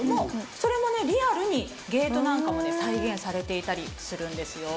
それもリアルにゲートなんかも再現されていたりするんですよ。